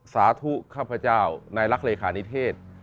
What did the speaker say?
สาธุข้าพเจ้าในรักเลขานิเทศ